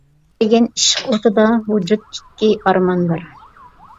كۆيگەن ئىشق ئوتىدا، ۋۇجۇد ئىككى، ئارمان بىر.